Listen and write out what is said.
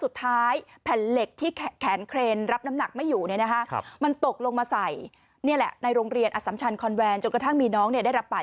แบบนี้น่ะสรุปก็คือมันก็บรรตุกหนักเกินไปอะอ่า